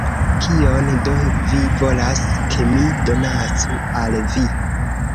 Kion do vi volas, ke mi donacu al vi?